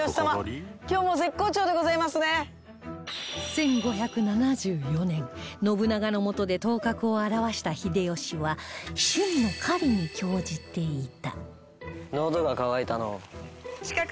１５７４年信長の下で頭角を現した秀吉は趣味の狩りに興じていた